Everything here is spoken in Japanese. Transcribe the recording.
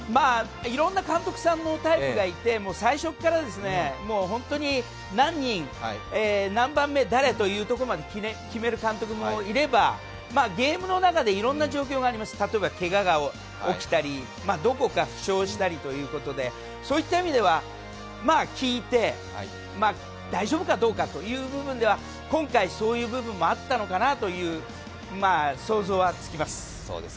いろんな監督さんのタイプがいて、最初から何人、何番目、誰というところまで決める監督もいればゲームの中でいろんな状況があります、例えば、けがが起きたり、どこか負傷したりということで、聞いて、大丈夫かどうかという部分では今回そういう部分もあったのかなという想像はつきます。